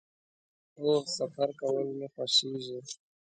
هو، سفر کول می خوښیږي